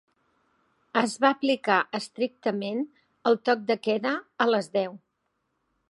Es va aplicar estrictament el toc de queda a les deu.